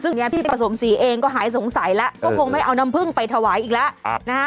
ซึ่งเนี้ยพี่ประสมศรีเองก็หายสงสัยแล้วก็คงไม่เอาน้ำพึ่งไปถวายอีกแล้วนะฮะ